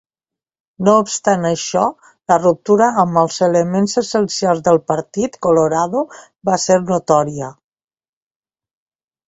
No obstant això, la ruptura amb els elements essencials del Partit Colorado va ser notòria.